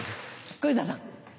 小遊三さん。